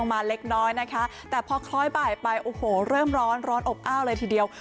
มาเล็กน้อยนะคะแต่พอคล้อยบ่ายไปโอ้โหเริ่มร้อนร้อนอบอ้าวเลยทีเดียว